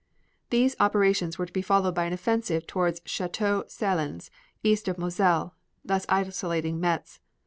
These operations were to be followed by an offensive toward Chateau Salins east of the Moselle, thus isolating Metz.